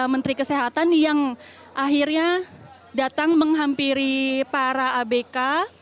menteri kesehatan yang akhirnya datang menghampiri para abk